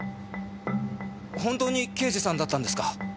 本当に刑事さんだったんですか。